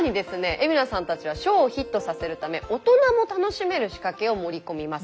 海老名さんたちはショーをヒットさせるため大人も楽しめる仕掛けを盛り込みます。